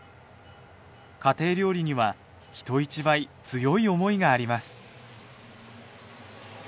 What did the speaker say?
家庭料理には人一倍強い思いがあります。